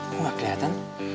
aku gak kelihatan